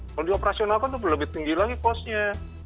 kalau di operasional kan itu lebih tinggi lagi costnya